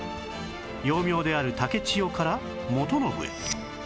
幼名である竹千代から元信へ